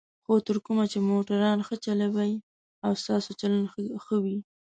خو تر کومه چې موټران ښه چلوئ او ستاسو چلند ښه وي.